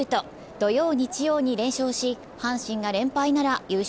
土曜・日曜に連勝し、阪神が連敗なら優勝